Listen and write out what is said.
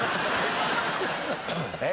えっ？